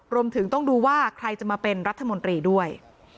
รวมถึงต้องดูว่าใครจะมาเป็นรัฐมนตรีด้วย